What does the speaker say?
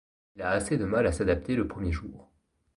Il a assez de mal à s'adapter le premier jour.